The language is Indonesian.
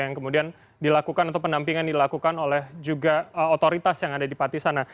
yang kemudian dilakukan atau pendampingan dilakukan oleh juga otoritas yang ada di pati sana